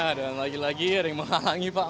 ya dan lagi lagi ring menghalangi pak